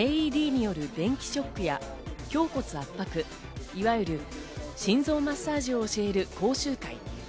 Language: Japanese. ＡＥＤによる電気ショックや胸骨圧迫、いわゆる心臓マッサージを教える講習会。